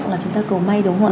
là chúng ta cầu may đúng không ạ